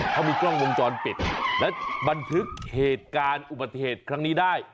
เขามีกล้องวงจรปิดและบันทึกเหตุการณ์อุบัติเหตุครั้งนี้ได้